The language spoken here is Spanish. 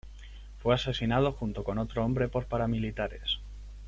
Fue asesinado junto con otro hombre por paramilitares.